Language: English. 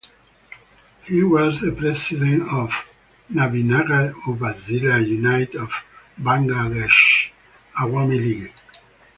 He was the President of Nabinagar Upazila unit of Bangladesh Awami League.